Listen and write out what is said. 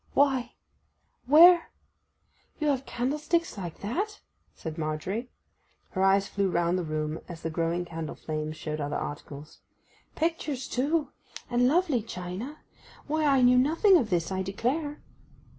'Why—where—you have candlesticks like that?' said Margery. Her eyes flew round the room as the growing candle flames showed other articles. 'Pictures too—and lovely china—why I knew nothing of this, I declare.